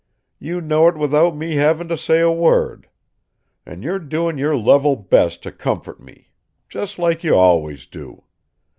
You know it without me having to say a word. And you're doing your level best to comfort me. Just like you always do.